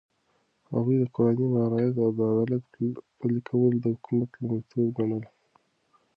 هغه د قوانينو رعایت او د عدالت پلي کول د حکومت لومړيتوب ګڼله.